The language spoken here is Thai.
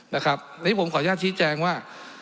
ในที่ผมขออนุญาตชี้แจงว่า